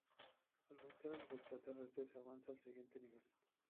Al vencer a los extraterrestres se avanza al siguiente nivel.